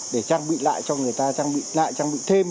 để trang bị lại cho người ta trang bị lại trang bị thêm